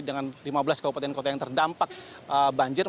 dengan lima belas kabupaten kota yang terdampak banjir